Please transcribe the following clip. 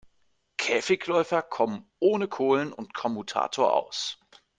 Käfigläufer kommen ohne Kohlen und Kommutator aus.